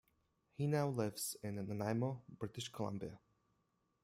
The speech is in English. He now lives in Nanaimo, British Columbia.